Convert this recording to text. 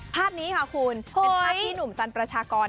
ภาพนี้ค่ะคุณเป็นภาพที่หนุ่มสันประชากร